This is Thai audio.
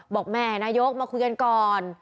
บอกแม่นายกมาคุยกันก่อน